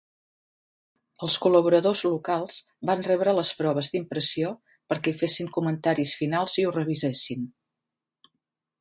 Els col·laboradors locals van rebre les proves d'impressió perquè hi fessin comentaris finals i ho revisessin.